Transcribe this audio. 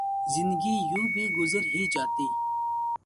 زندگی یوں بھی گزر ہی جاتی